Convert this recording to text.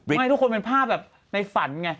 ทำให้ทุกคนมีภาพแบบในฝันไง